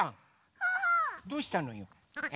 どうしたのよ？え？